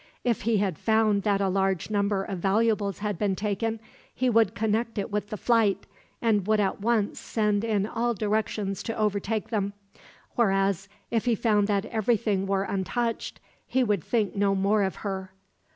If he had found that a large number of valuables had been taken, he would connect it with the flight, and would at once send in all directions to overtake them; whereas, if he found that everything were untouched, he would think no more of her."